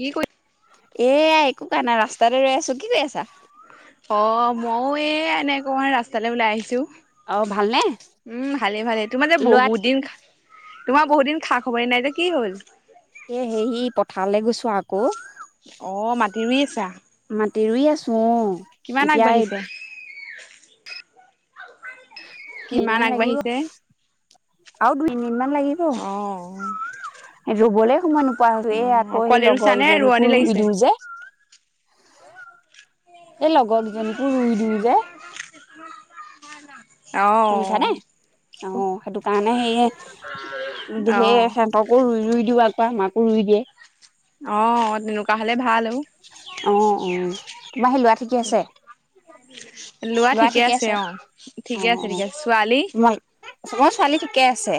কি কৰি এয়া একো কৰা নাই ৰাস্তাতে ৰৈ আছো, কি কৰি আছা? অ', মইও এই এনেকোৱা মানে ৰাস্তালৈ ওলাই আহিছো। অ ভালনে উম, ভালে, ভালে, তোমাৰ যে ল'ৰা বহুত দিন তোমাৰ বহুত দিন খা খবৰে নাই যে, কি হ'ল? এ হেৰি, পথাৰলৈ গৈছো আকৌ। অ', মাটি ৰুই আছা। মাটি ৰুই আছো, অ'। কিমান এতিয়া আগবাঢ়িছে। কিমান লাগিব আৰু দুই মিনিত মান লাগিব। অ' ৰুবলৈ সময় নোপোৱা হৈলো এ অ' আকৌ অকল সেই এৰুছা লগৰ নে ৰোৱনী এজনীকো লাগিছে? দিওঁ যে। এই লগৰজনীকো ৰুই দিওঁ যে। শুনিছা অ' সেইটো কাৰণে অ' সেই তকো ৰুই ৰুই দিওঁ আকৌ মাকোৰুই দিয়ে। অ', তেনেকুৱা হ'লে ভাল আৰু। অ', অ', তোমাৰ হি ল'ৰা ছোৱালী ঠিকেই আছে। ল'ৰা ঠিকে আছে অ' অ ঠিকে আছে অ ঠিকে আছে ছোৱালী। তোমাৰ মোৰ ছোৱালী ঠিকে আছে।।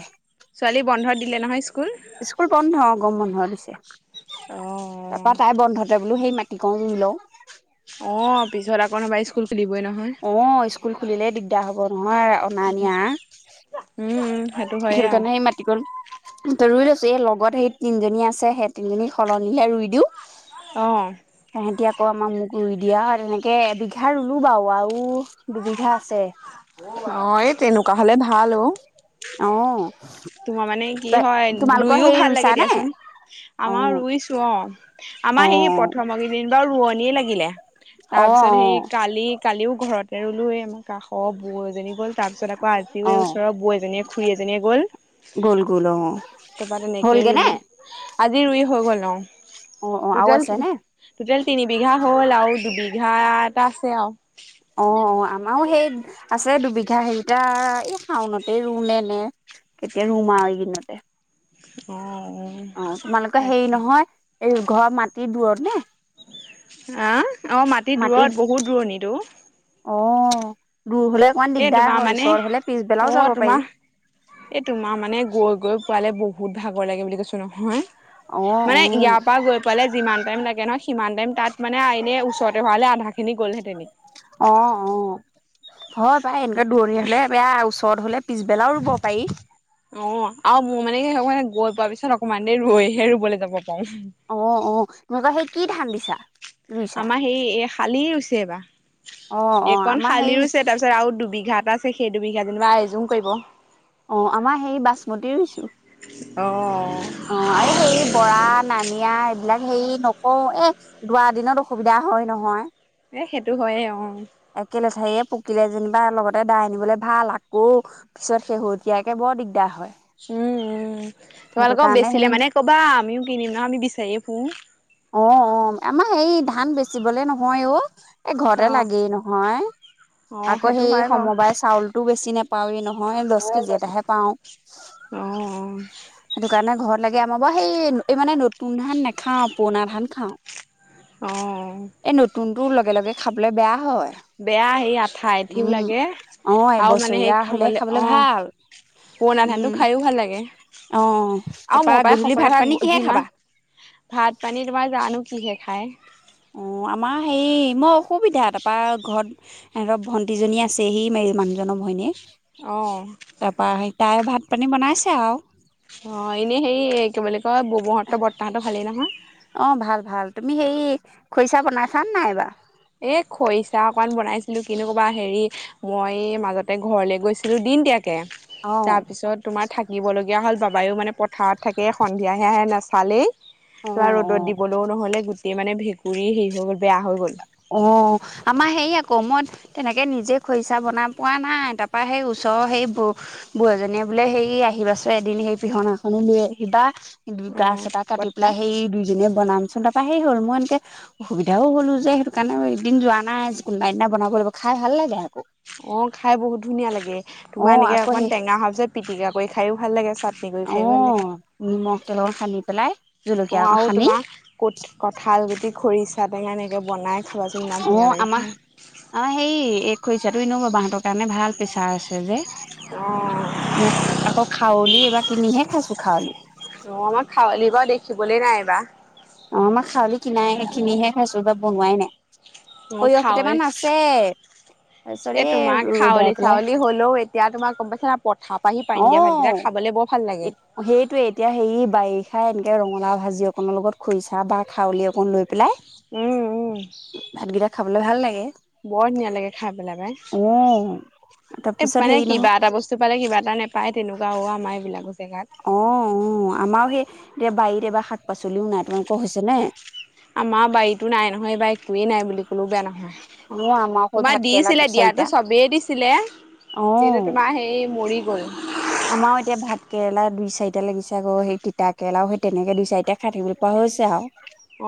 ছোৱালী বন্ধ দিলে নহয় স্কুল। স্কুল বন্ধ গম বন্ধ দিছে। অ' তাৰপা তাই বন্ধ তে বোলো সেই মাটিকন ৰুই লওঁ। অ', পিছত আকৌ নহ'বা স্কুল খুলিবই নহয়। অ', স্কুল খুলিলেই দিগদাৰ হ'ব নহয় অনা নিয়া। উম, উম সেইটো হয়ে। আৰু সেই মাটিকন তো ৰুই লৈছো এই লগত সেই তিনজনী আছে সেই তিনজনীক সলনিহে ৰুই দিও। অ'। সেহেতি আকৌ আমাৰ মোক ৰুই দিয়া তেনেকে এ বিঘা ৰুলো বাৰু আৰু দুবিঘা আছে। অ', এই তেনেকুৱা হ'লে ভাল অ'। অ'। তোমাৰ মানে কি হয় তোমালোকৰ ৰুয়ো হেৰি ভাল ৰুইছা লাগে নে দিয়াচোন। অ আমাৰ ৰুইছো অ' অ আমাৰ সেই প্ৰথম কে দুদিন বাৰু ৰোৱনিয়ে লাগিলে অ তাৰ অ পিছত সেই কালি কালিও ঘৰতে ৰুলোৱেই কাষৰ বৌ এজনী গ'ল তাৰপিছত আকৌ অ আজিও ওচৰৰ বৌ এজনীয়ে খুৰী এজনীয়ে গ'ল। গ'ল গ'ল অ তাৰপা তেনেকেই হ'লগে নে ৰুলো। আজি ৰুই হৈ গ'ল অ'। অ অ আৰু তোটেল আছে নে টোটেল তিনি বিঘা হ'ল আৰু দুবিঘা এটা আছে আৰু। অ', অ', আমাৰো সেই আছে দুবিঘা হেৰিটে এই শাওনতেই ৰুই নে কেতিয়া ৰুম আৰু এইদিনতে। অ', অ'। অ', তোমালোকৰ হেৰি নহয় এই ঘৰ মাটিৰ দূৰত নে? আহ অ' মাটিত দূৰত বহুত দূৰণিত অ'। অ', দূৰ হ'লে অকমান এই দিগদাৰ তোমাৰ হয় মানে ওচৰত হ'লে অ পিছবেলাও যাব পাৰি। তোমাৰ এই তোমাৰ মানে গৈ গৈ পোৱালে বহুত ভাগৰ লাগে বুলি কৈছো নহয়। অ অ মানে ইয়াৰ পৰা গৈ পালে যিমান টাইম লাগে নহয় সিমান টাইম তাত মানে এনে ওচৰতে হোৱাল আধাখিনি গ'লহেঁতেনে। অ', অ', হয় পাই এনেকুৱা দূৰণি হ'লে বেয়া ওচৰত ওচৰত হ'লে পিছবেলাও ৰুব পাৰি। অ', আৰু মোৰ মানে কি অ' গৈ পোৱা পিছত অকমান দেৰি ৰুইহে ৰুবলৈ যাব পাৰো অ', অ', তুমি কি সেই কি ধান দিছা। ৰুইছা আমাৰ সেই এই শালি ৰুইচে এই বাৰ। অ অ এইকন আমাৰ শালি হেৰি ৰুছে তাৰপিছত আৰু দুবিঘা এটা আছে সেই দুবিঘা যেনিবা এযোং কৰিব। অ', আমাৰ সেই বাচমতি ৰুইছো। অ'। অ', আৰু সেই বৰা নানিয়া এইবিলাক হেৰি নকওঁ এ দুড়া দিনত অসুবিধা হয় নহয়। এ সেইটো হয়য়ে অ একে লেঠাৰয়ে পকিলে যেনিবা লগতে দাই আনিবলৈ ভাল আকৌ পিছত শেহতীয়াকে বৰ দিগদাৰ হয় উম উম সেইটো তোমালোকক কাৰণে বেচিলে হেৰি মানে কবা আমিও কিনিম ন আমি বিচাৰিয়ে ফুৰ অ অ আমাৰ এই ধান বেচিবলে নহয় অ এই অ ঘৰতে লাগেই ন ন অ আকৌ সেইটো সেই হয় বাৰু সমবায় চাউলতটো বেছি নোপাওৱেই নহয় মই দহ কেজি এটাহে পাও অ সেইটো কাৰণে ঘৰত লাগে আমাৰ বাৰু সেই এই মানে নতুন ধান নাখাওঁ পুৰণা ধান খাওঁ অ অ এই নতুনতটো লগে লগে খাবলৈ বেয়া হয় বেয়া সেই আঠা আঠিও উম লাগে অ আৰু মানে সেই এবছৰীয়া হলে খাবলৈ খাবলে অ ভাল পুৰণা ধানটো উম খাইয়ো ভাল লাগে অ তাৰপা আৰু মোৰ পৰাই গধূলি সঁচা ভাত পানী কথা কিহে খাবা যিমান ভাত পানী তোমাৰ জানো কিহে খাই অঁ আমাৰ হেৰি মই অসুবিধা তাৰপৰা ঘৰত ধক ভণ্টীজনী আছে সি ম মানুহজনৰ ভৈনীয়ে অঁ তাৰপৰা সে তাই ভাত পানী বনাইছে আৰু অ এনেই হেৰি কি বুলি কয় বোমোহঁতো বৰ্তাহতটো ভালেই নহয় অ ভাল ভাল তুমি সেই খৰিচা বনাই খান নাইব এ খৰিচা অকমান বনাইছিলো কনেো কবা হেৰি মই মাজতে ঘৰলে গৈছিলো দিনতয়াকে অ তাৰ পিছত তোমাৰ থাকিব লগগীয়া হ'ল বাবায়ো মানে পথাৰত থাকে সন্ধিয়াহে আহে নাচালেই অ তো অ ৰ'দত দিবলৈও নহ'লে গো এ মান ভেঁকুৰৰিী হেৰি হৈ গ'ল বেয়া হৈ গ'ল অ আমাৰ হেৰি আকৌ মই তেনেকে নিজে খৰিচা বনাই পোৱা নাই তাৰ পৰাা সেই ওচৰৰ সেই ব বুঢ়জনীয়ে বোলে সেই আহিবাচ এদিন সেই পিহনাখনো লৈ আহিবা দুই গছ অ' এটা কাটি বৰ্তা পেলাই সেই দুইজনীয়ে বনামচোন তাৰপা সেই হ'ল মই এনেকে অসুবিধাও হ'লো যে সেইটো কাৰণে এদিন যোৱা নাই কোনোবা এদনা বনাব লাগিব খাই ভাল লাগে আকৌ অ খাই বহুত ধুনীয়া লাগে তোমাৰ অ', এনেকে আকৌ অকমান সেই টেঙা সাচত পিটিকা কৰি খাইও ভাল লাগে চাটনি কৰি অ খায়ো ভাল লাগে নিমখ তেল অ সানি পেলাই জলকীয়া অ' অক আৰু সানি তোমাৰ কঠ কঁঠাল গুটি খৰিচা টেঙা এনেকৈ বনাই খাবাচোন ইমান অ ধুনীয়া লাগে আমাৰ খাই অ হেই এক খৰিচাটো ন ব বাহতৰ কাৰণে ভাল প্ৰেছাৰ আছে যে অ' মোক আকৌ খাৱলি এইবাৰ কিনিহে খাইছো খাৱলি অ আমাৰ খাৱলী বা দেখিবলৈ নাই বা অ মই খালি কিনাই কিনিহে খাইছো বা বনোৱাই নাই অ' সৰিয়স খাৱৈ কেইটামান আছে এ চৰি তোমাৰ খাৱলি ৰ'দাই পেলাই চাউলি হ'লেও এতিয়া তোমাৰ গম পাইছা পথাৰাপ পৰা আহি পাৰি দিয়া ভাতকেইটা খাবলৈ বৰ ভাল লাগে সেইটোয়ে এতিয়া সেৰি বাৰিষা এনেকে ৰঙালা ভাজি অকনৰ লগত খুইছা বা খউলি অকণ লৈ পেলাই উম উম ভাতকেইটা খাবলে ভাল লাগে বৰ ধুনীয়া লাগে খাই পেলাই পাই উ তাৰ পিছত হেই নহ চুপালেিবা এটা নাপায় তেনেকুৱাও আমাৰ এইবিলাকো জেগাত অঁ অঁ আমাৰ সেই এতিয়া বাৰীত এবাৰ শাক পাচলিও নাই তোমালোকৰ হৈছেনে আমাৰ বাৰীতো নাই নহয় এইব একোৱেই নাই বুলি কলেও বেয়া নহয় অ আমাৰ অকল তোমাৰ ভাত কেৰেলা দিছিলে দুই দিয়াতো চাৰিটা চবেই দিছিলে অ কিন্তু তোমাৰ সেই মৰি গ'ল আমাৰো এতিয়া ভাত কেৰেলা দুই চাৰিটা লাগিছে আৌ সেই তিতা কেৰেলাও সেই তেনেকে দুই চাৰিটা খাই থাকিবলৈ পোৱা হৈছে আৰু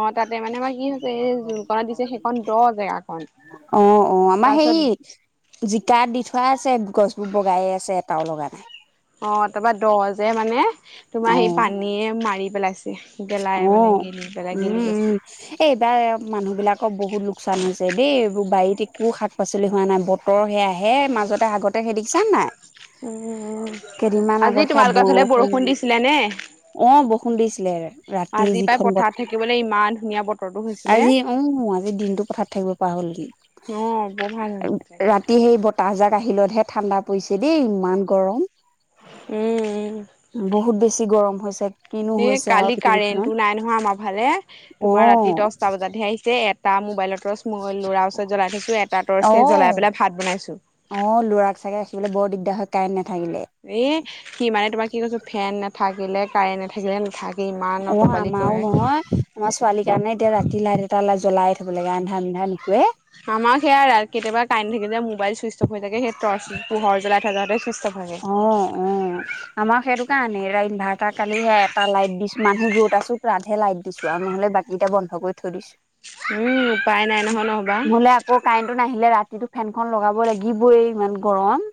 অ তাতে মানে আমাৰ কি হৈছে এই জোনকত দিছে সেইখন দ জেগাখন অ অ আমাৰ সেই জিকাত দি থোৱা আছে গছবোৰ বগাই আছে এটাও লগা নাই অ ', তাৰপৰা দ যে মানে তোমাৰ অ সেই পানীয়ে মাৰি পেলাইছে। অ গেলাই মানে গেলি পেলাই উম গেলি উম গৈছে। এই এইবাৰ মানুহবিলাকৰ বহুত লোকচান হৈছে দেই এইোৰ বাৰীত একো শাক পাচলি হোৱা নাই। বৰ বটৰ সেয়া হে মাজতে আগতে সেই দেখিছা নাই। উম কেইদিনমান আগত আজি সেয়া তোমালোকৰ ফালে বৰষুণ দিছিলে নে? অ', বৰষুণ দিছিলে ৰা আজি পাই পথাৰ থাকিবলৈ ইমান ধুনীয়া ব আজি অ' আজি দিনতটো পথাৰত থাকিব পৰা হ'ল নেকি অ বৰ ভাল হৈছে। ৰা ৰাতি সেই বতাহজাক আহিলতহে ঠাণ্ডা পৰিছে দেই ইমান গৰম। উম উম। বহুত বেছি গৰম হৈছে। কিনো এ হৈছে আৰু কালি পৃথিৱীখনত কাৰেণ্টটো নাই নহয় আমাৰ ফালে তোমাৰ অ ৰাতি দছটা বজাতহে আহিছে এ। এটা মোবাইলৰ টৰ্চ মই ল'ৰা ওচৰত জ্বলাই থৈছো এটা অ টৰ্চ জ্বলাই পেলাই ভাত বনাইছোঁ। অ', লৰাক চাগে ৰাখিবলৈ বৰ দিগদাৰ হয় কাইট নাথাকিলে। এ কি মানে তোমাৰ কি কৈছে ফেন নাথাকিলে কাৰেণ্ট নাথাকিলে নাথাকে, ইমান অ অটপালি আমাৰো কৰে। নহয় আমাৰ ছোৱালীৰ কাৰণে এতিয়া ৰাতি লাইট এটা জ্বলাই থব লাগে, আন্ধাৰ মুন্ধাৰে নুশুৱে। আমাৰ সেয়া ৰা কেতিয়াবা কাৰেন থাকি যে মোবাইল ছুইচ অফ হৈ থাকে। সেই টৰ্চ পোহৰ জ্বলাই থ যাতেই অ', অ'। আমাৰ সেইটো কাৰণে, এটা ইনভাৰটাৰ কালিহে এটা লাইট দিছো মানুহ য'ত আছো তাতহে লাইট দিছো আৰু নহলে বাকী এতিয়া বন্ধ কৰি থৈ দিছো। উম, উপায় নাই নহয় নহ'বা। নহলে আকৌ কাৰেণ্টটো নাহিলে ৰাতিতটো ফেনখন লগাব লাগিবই ইমান গৰম।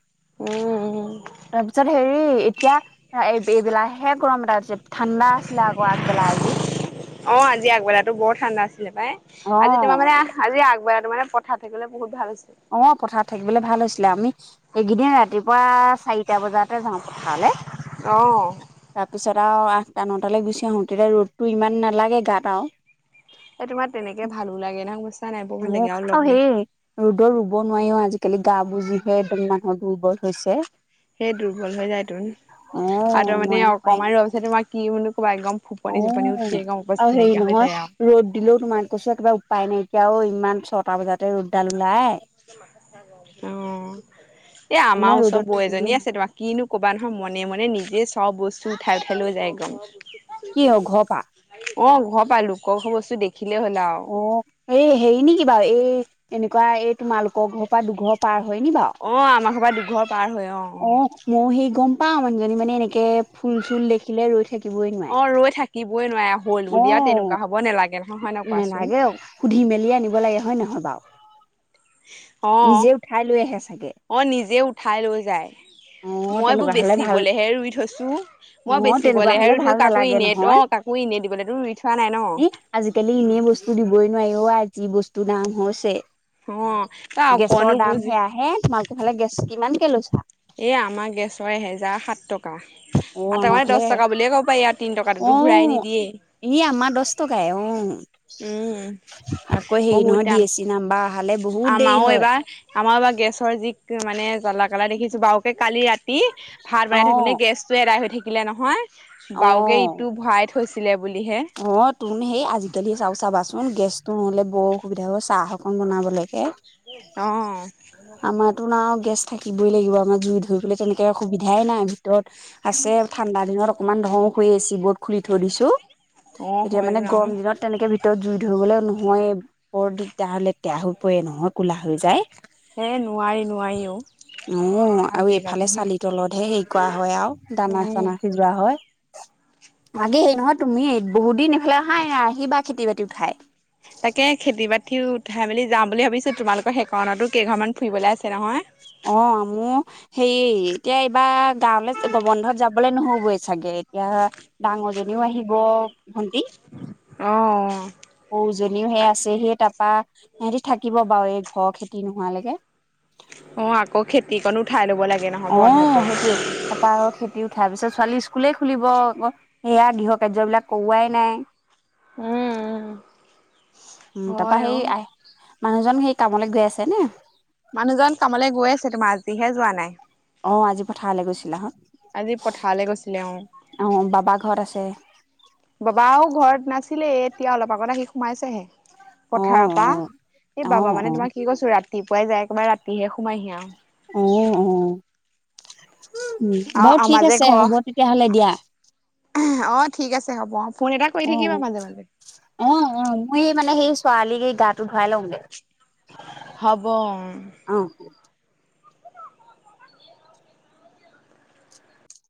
উম। তাৰপিছত হেৰি এতিয়া এই এইবিলাহে গৰম এটা ঠাণ্ডা আছিলে আকৌ আগবেলা আজি। অ', আজি আগবেলাতো বৰ ঠাণ্ডা আছিলে পাই। আজি তোমাৰ মানে, অ আজি আগবেলা তো মানে থাকিবলৈ বহুত ভাল হৈছে। অ', পথাৰত থাকিবলৈ ভাল হৈছিলে, আমি এইকেইদিন ৰাতিপুৱা চাৰিটা বজাতে যাওঁ পথাৰলৈ। অ। তাৰপিছত আৰু আঠ টানটালৈ গুচি আহো। তেতিয়া ৰ'দতটো ইমান নালাগে গাত আৰু। এ তোমাৰ তেনেকে ভালো লাগে নহয়। নাই বৰ ভাল লাগে অ', আৰু লগে সেয়ে ৰ'দত ৰুব নোৱাৰিও আজিকালি গা বোৰ যি হে একদম মানুহৰ দুৰ্বল হৈছে। সেই দুৰ্বল হৈ যায় ত অ আৰু তাৰ মানে নোৱাৰি নোৱাৰি অকমান ৰোৱাৰ পিছত তোমাৰ কি মানো ক'বাত একদম অ খোপনি চুপনি উঠি একদম আৰু অৱস্থা হেৰি নাইকিয়া হৈ নহয় যায় আৰু। ৰ'দ দিলেও তোমাৰ কৈছো কিবা উপায় নাইকিয়াঅ। এতিয়াও ইমান ছটা বজাতে ৰ'দডাল ওলাই। অ', এ ইমান আমাৰ ওচৰ ৰ'দত বৈ থাকিবই এজনী আছে। তোমাক কিনো ক'বা নহয় মনে মনে নিজে চব বস্তু উঠাই ঠাই লৈ যায় একদম। কি হ ঘৰ পা? অ', ঘৰ পা লোকৰ ঘৰ বস্তু দেখিলে হ'লা অ আৰু এই হেৰি নেকি বাৰু এই এনেকুৱা এই তোমালোকৰ ঘৰৰ পৰা দুঘৰ পাৰ হয় নি বাৰু। অ', আমাৰ ঘৰব পৰা দুঘৰ পাৰ হয় অ', অ'। অ', ময়ো সেই গম পাও মানুহজনী মানে এনেকে ফুল চুল দেখিলে ৰৈ থাকি অ', ৰৈ থাকিবই নোৱাৰে হ'ল অ বুলি আৰু তেনেকুৱা হ'ব নালাগে ন। নহয় হয় কোৱাচোন নেলাগে অ' সুধি মেলিয়ে আনিব লাগে হয় নহয় বাৰু। নিজে অ', উঠাই লৈ আহে চাগে অ' নিজে উঠাই লৈ যায়। অ মই এইবোৰ তেনেকুৱা হলে ভাল বেচিবলেহে ৰুই থৈছো। অ মই তেনেকুৱা বেচিবলেহে হলে ৰুই থৈছো। ভাল কাকো নালাগে এনে তো কাক মোৰ এনেই দিবলৈতো ৰুই থোৱা নাই ন। এ আজিকালি এনেই বস্তু দিবই নোৱাৰি অ' আই যি বস্তুৰ দাম হৈছে। অ' তাই অকণো বুজি হে তোমাল কোফালে গেছ কিমানকে লৈছা? এ, আমাৰ গেছৰ এহেজাৰ সাত টকা। কা, অ আৰু আমাৰ তাৰমানে ফালে দহ টকা বুলিয়ে ক'ব পাৰি আৰু তিন টকাতো ঘূৰাই নিদিয়েই। এই আমাৰ দহ টকাই অ'। উম, আকৌ হেৰি বহুত নহয় ডি দাম। এছ চি নাম্বাৰ অহালে বহুত দেৰি আমাৰো হয় এইবাৰ আমাৰ বা গেছৰ যি মানে জ্বলা কালা দেখিছো, বাৰুকে কালি ৰাতি ভাত অ বনাই থাকোতে গেছ এদাই হৈ থাকিলে নহয়, বাউকে অ ইটো ভৰাই থৈছিলে বুলিহে। অ' তোন সেই আজিকালি চাও চাবাচোন গেছটো নহ'লে বৰ অসুবিধা হ' চাহ অকণ বনাবলে। অ'। তোন আৰু গেছ থাকিবই লাগিব, আমাৰ জুই ধৰিবলৈ তেনেকে আৰু অসুবিধাই নাই। ধৰ আছে ঠাণ্ডা দিনত অকমান ধৰ হৈ আছে বুত খুলি থৈ দিছো। অ', এতিয়া হয় মানে ন', গৰম দিনত তেনেকে ভিতৰত জুই ধৰিবলে নহয়, বৰ দিগদাৰ, লেতেৰা হৈ পৰে নহয় ক'লা হৈ যায়। এই নোৱাৰি নোৱাৰি অ'। অ' আৰু আজিকালি এইফালে চালি তলতহে হেৰি কৰা হয় আৰু দানা উম। চানা সি লোৱা হয়। আগে এই নহয় তুমি বহুত দিন এইফালে আহাই নাই, আহিবা খেতি বাতি উঠাই। তাকে খেতি বাতি উঠাই মেলি যাম বুলি ভাবিছো, তোমালোকৰ সেইকাৰণতো কেইঘৰমানান ফুৰিবলৈ আছে নহয়। অ' মোৰ সেই এতিয়া এইবাৰ গাঁৱলে গবন্ধত যাবলে নহবই চাগে, এতিয়া ডাঙৰজনীও আহিব, ভন্টি অ', অ'। অৰু সৰুজনীও সেই আছে সেই তাৰাপা সিহঁতি থাকিব বাৰু এই ঘৰ খেতি নোহোৱালৈকে। অ' আকৌ খেতিকণো উঠাই লব লাগে নহয় বন্ধতে। অ', সেইটোয়ে তাৰপা খেতি উঠাৰ পিছত ছোৱালীৰ স্কুলে খুলিব আকৌ। সেয়া গৃহ কাৰ্যবিলাক কৰোৱাই নাই। উম, উম, তাৰাপা হয় সেই অ', আহ মানুহজন সেই কামলৈ গৈ আছেনে? মানুহজন কামলৈ গৈ আছে, তোমাৰ আজিহে যোৱা নাই। অ' আজি পথাৰলৈ গৈছিলাহঁত। আজি পথাৰলৈ গৈছিলে অ'। অ', বাবা ঘৰত আছে বাবাও ঘৰত নাছিলে, এতিয়া অলপ আগত আহি সোমাইছেহে। অ', অ', পথাৰৰপৰা এই অ', বাবা মানে অ', তোমাক কি কৈছো ৰাতিপুৱাই যায় একেবাৰে ৰাতিহে সোমাইহি আৰু। অ', অ' উ, আৰু বাৰু ঠিক আমাৰ যে আছে ঘৰ হ'ব তেতিয়াহ'লে দিয়া। অ' ঠিক আছে হ'ব অ'। ফোন এটা কৰি থাকিবা অ', মাজে মাজে। অ' উ, মই এই মানে সেই ছোৱালীক এই গাটো ধুৱাই লওঁগে। হ'ব। অ'।